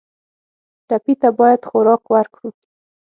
ټپي ته باید خوراک ورکړو.